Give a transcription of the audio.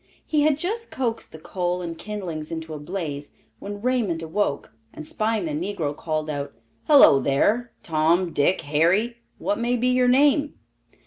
He had just coaxed the coal and kindlings into a blaze, when Raymond awoke, and spying the negro, called out, "Hello, there! Tom, Dick, Harry, what may be your name?"